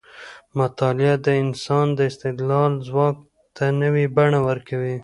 مطالعه د انسان د استدلال ځواک ته نوې بڼه ورکوي.